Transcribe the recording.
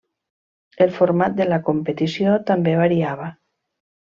El format de la competició també variava.